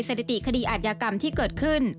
สถิติคดีอาจยากรรมที่เกิดขึ้น